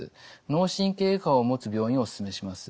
脳神経外科を持つ病院をおすすめします。